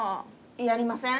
やりません。